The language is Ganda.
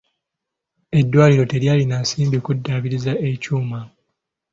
Eddwaliro teryalina nsimbi okuddaabiriza ekyuma.